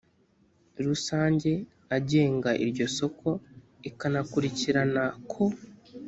rusange agenga iryo soko ikanakurikirana ko